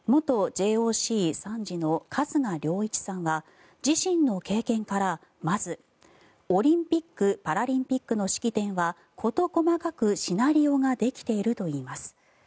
元ＪＯＣ参事の春日良一さんは自身の経験からまず、オリンピック・パラリンピックの式典は事細かくシナリオができているといいます。